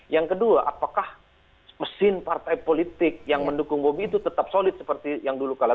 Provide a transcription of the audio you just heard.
yang kedua apakah mesin partai politik yang mendukung bobi itu tetap solid seperti yang dulu kalah